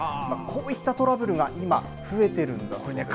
こういったトラブルが今、増えているんだそうです。